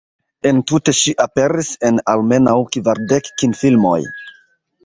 En tute ŝi aperis en almenaŭ kvardek kinfilmoj.